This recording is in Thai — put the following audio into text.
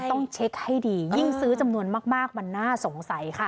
ต้องเช็คให้ดียิ่งซื้อจำนวนมากมันน่าสงสัยค่ะ